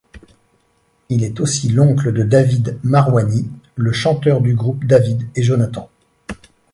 Il est aussi l’oncle de David Marouani, le chanteur du groupe David et Jonathan.